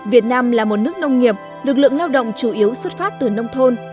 việt nam là một nước nông nghiệp lực lượng lao động chủ yếu xuất phát từ nông thôn